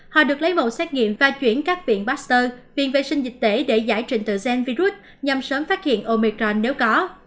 họ được lấy mẫu xét nghiệm và chuyển các viện baxter viện vệ sinh dịch tễ để giải trình tự gen virus nhằm sớm phát hiện omicron nếu có